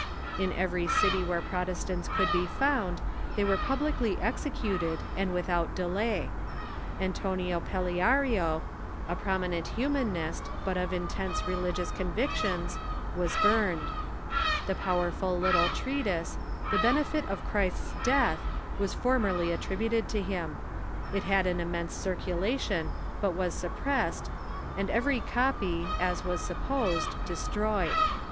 In every city where Protestants could be found they were pub licly executed, and without delaj'. Antonio Paleario, a prom inent Humanist, but of intense religious convictions, was burned. The powerful little treatise, " The Benefit of Christ's Death," was formerly atributed to him. It had an immense circulation, but was suppressed, and every copy, as was sup posed, destroyed.